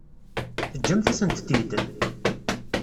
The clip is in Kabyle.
Teǧǧamt-asent-t-id?